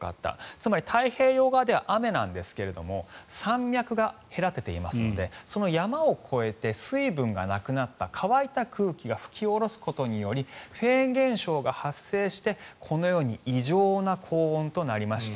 つまり太平洋側では雨なんですけども山脈が隔てていますのでその山を越えて水分がなくなった乾いた空気が吹き下ろすことによりフェーン現象が発生してこのように異常な高温となりました。